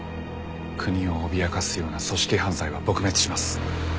国を脅かすような組織犯罪は撲滅します。